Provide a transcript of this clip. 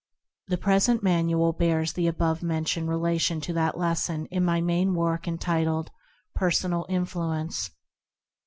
The present manual bears the above mentioned relation to that lesson in my main work entitled "Personal Influence."